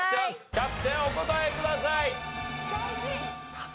キャプテンお答えください。